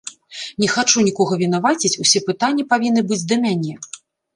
Не хачу нікога вінаваціць, усе пытанні павінны быць да мяне.